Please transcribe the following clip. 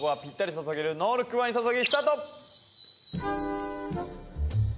注げるノールックワイン注ぎ。